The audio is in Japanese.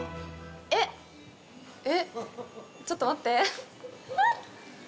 えっ、ちょっと待って。